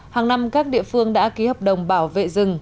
hàng năm các địa phương đã ký hợp đồng bảo vệ rừng